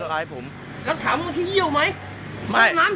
แล้วถามมึงที่เยี่ยวไหม